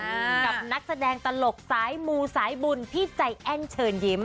กับนักแสดงตลกสายมูสายบุญพี่ใจแอ้นเชิญยิ้ม